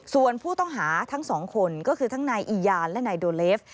ส่วนผู้ต้องหาทั้งสองคนก็คือทั้งนายอียานและนายโดเลฟ